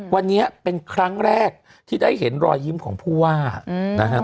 วันนี้เป็นครั้งแรกที่ได้เห็นรอยยิ้มของผู้ว่านะฮะ